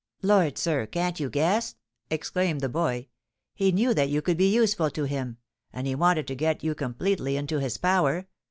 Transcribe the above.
"Lord! sir, can't you guess?" exclaimed the boy. "He knew that you could be useful to him, and he wanted to get you completely into his power.